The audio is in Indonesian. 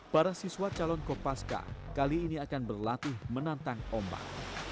para siswa calon kopaska kali ini akan berlatih menantang ombak